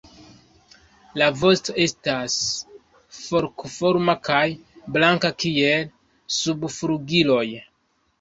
La vosto estas forkoforma kaj blanka kiel subflugiloj.